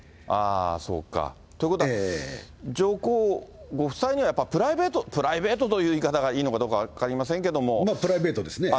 そうか。ということは、上皇ご夫妻にはやっぱりプライベート、プライベートという言い方がいいのかどうかプライベートですね。